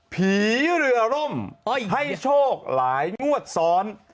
ผีเรือร่มให้โชคหลายงวดซ้อน